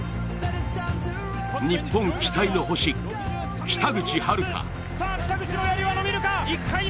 日本期待の星、北口榛花。